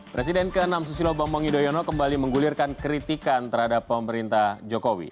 presiden ke enam susilo bambang yudhoyono kembali menggulirkan kritikan terhadap pemerintah jokowi